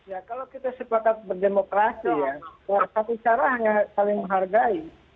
ya kalau kita sepakat berdemokrasi ya satu cara hanya saling menghargai